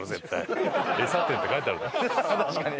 確かに。